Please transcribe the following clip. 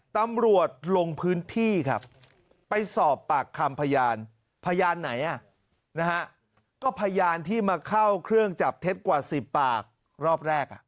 ตำรวจลงพื้นที่ครับ